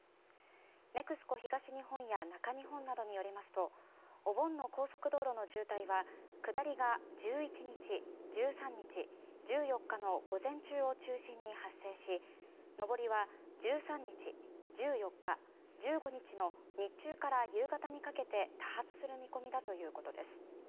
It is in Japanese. ＮＥＸＣＯ東日本や中日本などによりますとお盆の高速道路の渋滞は下りが１１日、１３日、１４日の午前中を中心に発生し上りは１３日、１４日、１５日の日中から夕方にかけて多発する見込みだということです。